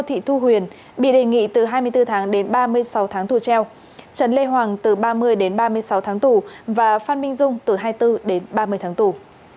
trần lê hoàng từ ba mươi đến ba mươi sáu tháng tù và phan minh dung từ hai mươi bốn đến ba mươi tháng tù